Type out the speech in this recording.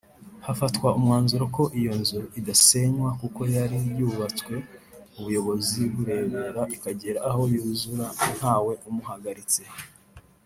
hafatwa umwanzuro ko iyo nzu idasenywa kuko yari yarubatswe ubuyobozi burebera ikagera aho yuzura ntawe umuhagaritse